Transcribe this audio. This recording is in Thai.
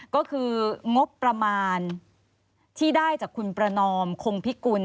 ก็คืองบประมาณที่ได้จากคุณประนอมคงพิกุล